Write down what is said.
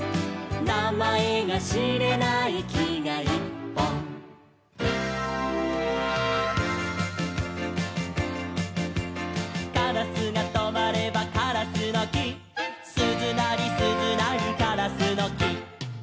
「なまえがしれないきがいっぽん」「カラスがとまればカラスのき」「すずなりすずなりカラスのき」